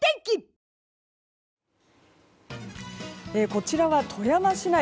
こちらは富山市内。